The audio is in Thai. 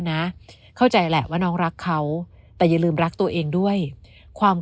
นะเข้าใจแหละว่าน้องรักเขาแต่อย่าลืมรักตัวเองด้วยความ